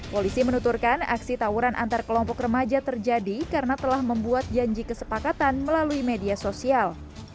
polisi menuturkan aksi tawuran antar kelompok remaja terjadi karena telah membuat janji kesepakatan melalui media sosial